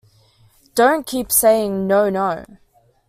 Don't keep saying 'No, no'.